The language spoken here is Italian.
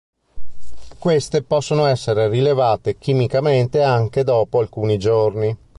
Queste possono essere rilevate chimicamente anche dopo alcuni giorni.